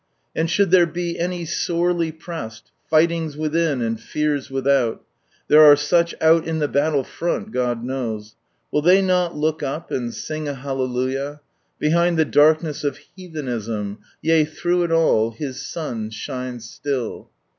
And should there be any sorely pressed —*' fightings within, and fears without:* there are such out in the battle front, God knows, — will they not look up, and sng a Hallelujah ? Behind the darkness of heathenism, yea, through it all. His son shines still.